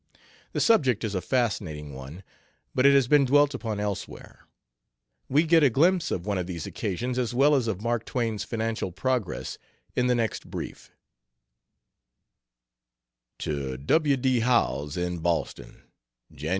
The subject is a fascinating one, but it has been dwelt upon elsewhere. [In Mark Twain: A onn, chaps. cliii and clx.] We get a glimpse of one of these occasions as well as of Mark Twain's financial progress in the next brief To W. D. Howells; in Boston: Jan.